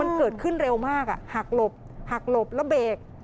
มันเกิดขึ้นเร็วมากหักหลบหักหลบแล้วเบรก